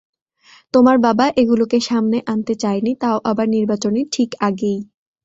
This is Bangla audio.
তোমার বাবা এগুলোকে সামনে আনতে চায়নি, তাও আবার নির্বাচনের ঠিক আগেই।